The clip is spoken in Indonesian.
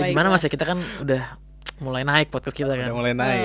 gimana mas ya kita kan udah mulai naik pot ke kita kan